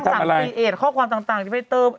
ถูกทุกคนไม่ได้ตั้งสังสีเอจข้อความต่างที่ไปเติม